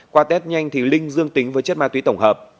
qua test nhanh thì linh dương tính với chất ma túy tổng hợp